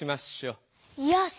よし！